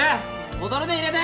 ボトルで入れて！